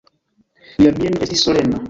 Lia mieno estis solena.